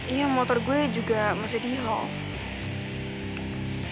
iya motor gue juga masih di hall